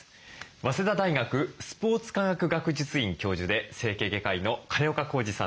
早稲田大学スポーツ科学学術院教授で整形外科医の金岡恒治さんです。